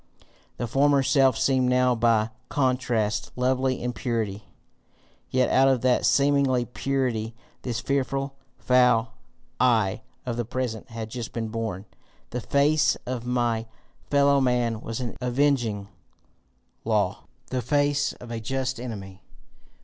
The former self seemed now by contrast lovely in purity, yet out of that seeming purity this fearful, foul I of the present had just been born! The face of my fellow man was an avenging law, the face of a just enemy.